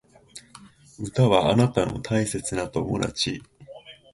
歌はあなたの大切な友達